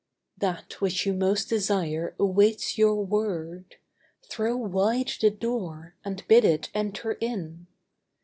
That which you most desire awaits your word; Throw wide the door and bid it enter in.